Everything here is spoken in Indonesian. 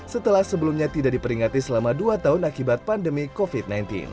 setelah sebelumnya tidak diperingati selama dua tahun akibat pandemi covid sembilan belas